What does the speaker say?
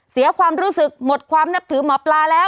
เสียความรู้สึกหมดความนับถือหมอปลาแล้ว